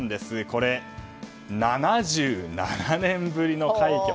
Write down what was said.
これ、７７年ぶりの快挙。